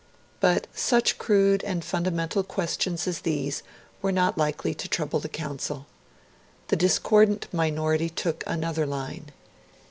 But such crude and fundamental questions as these were not likely to trouble the Council. The discordant minority took another line.